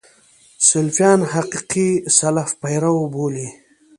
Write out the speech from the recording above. سلفیان حقیقي سلف پیرو بولي.